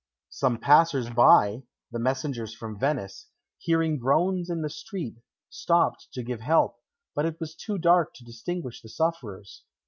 Some passers by the messengers from Venice hearing groans in the street, stopped to give help, but it was too dark to distinguish the sufferers.